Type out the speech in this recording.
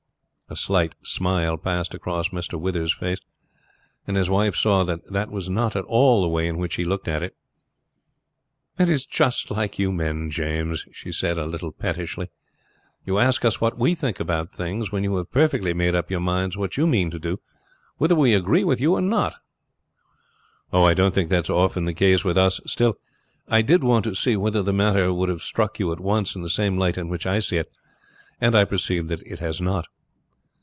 A slight smile passed across Mr. Withers' face, and his wife saw that that was not at all the way in which he looked at it. "That is just like you men, James," she said a little pettishly. "You ask us what we think about things when you have perfectly made up your minds what you mean to do, whether we agree with you or not." "I don't think that's often the case with us. Still I did want to see whether the matter would have struck you at once in the same light in which I see it, and I perceive that it has not."